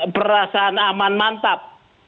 perasaan aman mantap